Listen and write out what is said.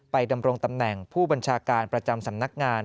ดำรงตำแหน่งผู้บัญชาการประจำสำนักงาน